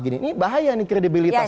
ini bahaya nih kredibilitas kita